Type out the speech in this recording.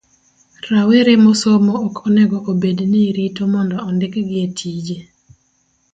Rawere mosomo ok onego obed ni rito mondo ondikgi etije.